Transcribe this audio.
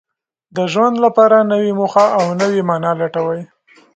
د ژوند لپاره نوې موخه او نوې مانا لټوي.